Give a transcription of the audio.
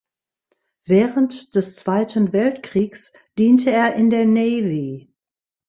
Während des Zweiten Weltkriegs diente er in der Navy.